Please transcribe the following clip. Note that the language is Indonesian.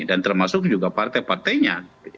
dan termasuk juga partai partainya